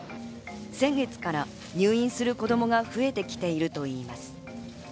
先月から入院する子供が増えてきているといいます。